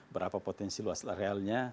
berapa potensi luas realnya